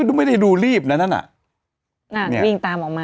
ก็ไม่ได้ดูรีบนั่นอ่ะนี่อ่าวิ่งตามออกมา